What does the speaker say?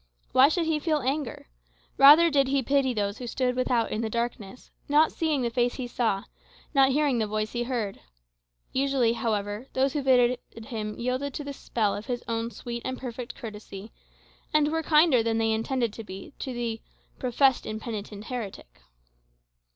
Why should he feel anger? Rather did he pity those who stood without in the darkness, not seeing the Face he saw, not hearing the Voice he heard. Usually, however, those who visited him yielded to the spell of his own sweet and perfect courtesy, and were kinder than they intended to be to the "professed impenitent heretic."